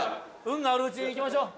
運があるうちにいきましょう」